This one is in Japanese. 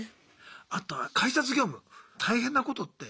あとは改札業務大変なことって。